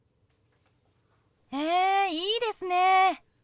へえいいですね。